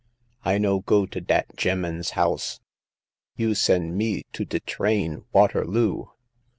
I no go to dat gem'man's house. You send me to de train Waterloo